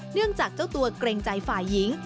เนื่องจากเจ้าตัวเกรงใจฝ่ายยิง